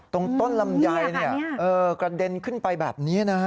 ตรงต้นลำไยกระเด็นขึ้นไปแบบนี้นะฮะ